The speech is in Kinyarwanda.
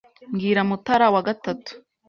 Mbwira Mutara wa gatatu